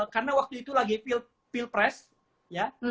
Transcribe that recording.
karena waktu itu lagi pilpres ya